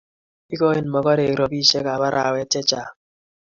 igoni mogorek robishekab arawet chechang